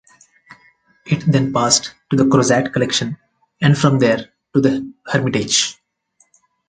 It then passed to the Crozat collection and from there to the Hermitage.